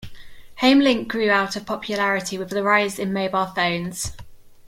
HomeLink grew out of popularity with the rise in mobile phones.